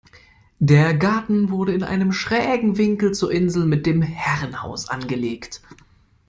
Der Garten wurde in einem schrägen Winkel zur Insel mit dem Herrenhaus angelegt.